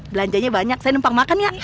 belanjanya banyak saya nempang makan ya